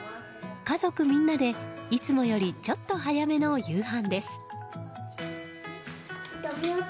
家族みんなでいつもよりちょっと早めの夕飯です。